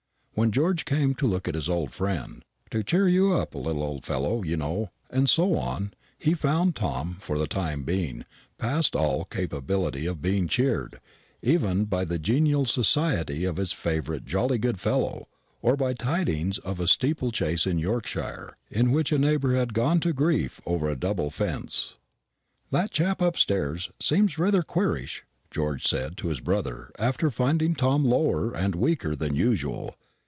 When George came to look at his old friend "to cheer you up a little, old fellow, you know," and so on he found Tom, for the time being, past all capability of being cheered, even by the genial society of his favourite jolly good fellow, or by tidings of a steeplechase in Yorkshire, in which a neighbour had gone to grief over a double fence. "That chap upstairs seems rather queerish," George had said to his brother, after finding Tom lower and weaker than usual.